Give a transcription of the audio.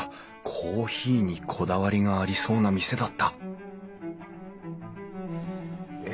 コーヒーにこだわりがありそうな店だったえ